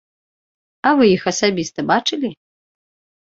А вы іх асабіста бачылі?